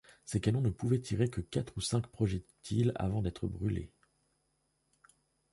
Ces canons ne pouvaient tirer que quatre ou cinq projectiles avant d'être brûlés.